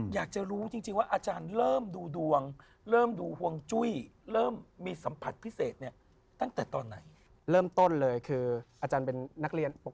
อยากจะรู้จริงว่าอาจารย์เริ่มดูดวงเริ่มดูฮวงจุ้ยเริ่มมีสัมผัสพิเศษเนี่ย